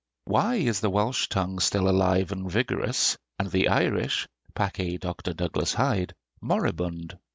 Why is the Welsh tongue still alive and vigorous, and the Irish (pace Dr. Douglas Hyde) moribund?